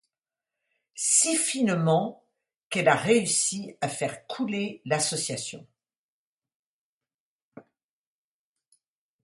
Si finement qu’elle a réussi à faire couler l’association.